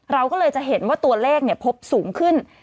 เราก็เลยจะเห็นว่าตัวเลขพบสูงขึ้น